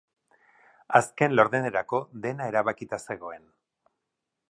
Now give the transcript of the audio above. Azken laurdenerako dena erabakita zegoen.